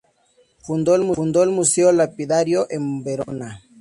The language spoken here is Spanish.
Fundó el Museo Lapidario en Verona.